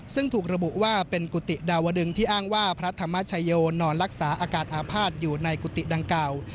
ซึ่งถูกระบุว่าเป็นกุฏิดาวดึงที่อ้างว่าพระธรรมชโยนอนรักษาอาการอาภาษณ์อยู่ในกุฏิดังกล่าว